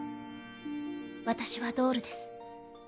私はドールです。